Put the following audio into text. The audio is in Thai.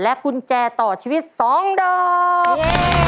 กุญแจต่อชีวิต๒ดอก